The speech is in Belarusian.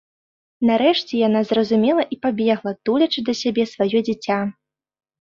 Нарэшце яна зразумела і пабегла, тулячы да сябе сваё дзіця.